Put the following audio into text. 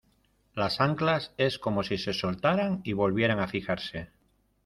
las anclas, es como si se soltaran y volvieran a fijarse.